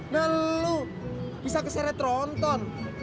nah lu bisa keseret ronton